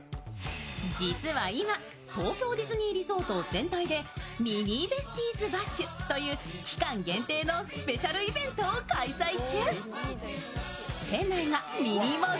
実は今、東京ディズニーリゾート全体で「ミニー・ベスティーズ・バッシュ！」という期間限定のスペシャルイベントを開催中。